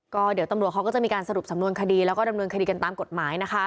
ก็เดี๋ยวตำรวจเขาก็จะมีการสรุปสำนวนคดีแล้วก็ดำเนินคดีกันตามกฎหมายนะคะ